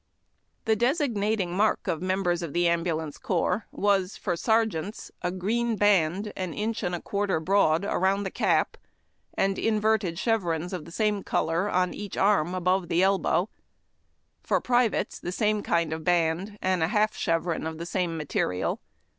The designating mark of members of the ambulance corps was, for sergeants, a green band an inch and a quarter broad around the cap, and inverted chevrons of the same color on each arm, above the elbow; for privates the same kind of band and a half chevron of the same material.